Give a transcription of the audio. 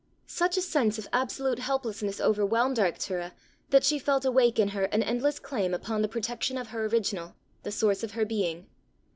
Such a sense of absolute helplessness overwhelmed Arctura that she felt awake in her an endless claim upon the protection of her original, the source of her being.